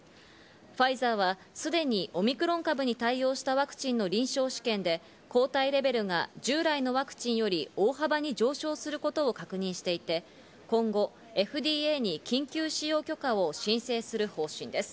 ファイザーはすでにオミクロン株に対応したワクチンの臨床試験で抗体レベルが従来のワクチンより大幅に上昇することを確認していて、今後、ＦＤＡに緊急使用許可を申請する方針です。